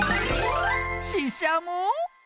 ししゃも？